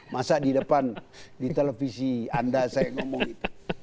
masa di depan di televisi anda saya ngomong itu